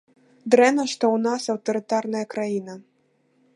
Дрэнна, што ў нас аўтарытарная краіна.